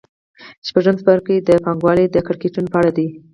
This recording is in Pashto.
شپږم څپرکی د پانګوالۍ د کړکېچونو په اړه دی